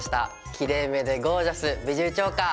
「きれいめでゴージャス！ビジューチョーカー」。